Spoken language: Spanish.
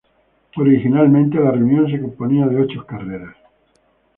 Originalmente la reunión se componía de ocho carreras.